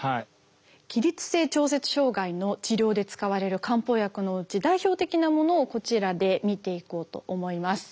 起立性調節障害の治療で使われる漢方薬のうち代表的なものをこちらで見ていこうと思います。